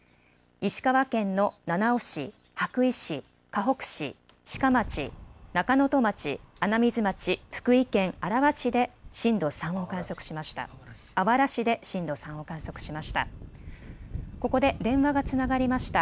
石川県の七尾市、羽咋市、かほく市、志賀町、中能登町、穴水町、福井県あらわ市で震度３を観測しました。